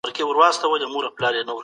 تاسي ولي دغه سپی بېدوئ؟